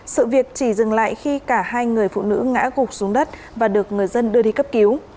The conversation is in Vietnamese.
sự việc chỉ dừng lại khi cả hai người phụ nữ ngã gục xuống đất và được người dân đưa đi cấp cứu